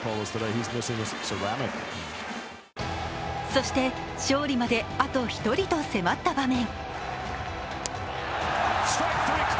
そして、勝利まであと１人と迫った場面。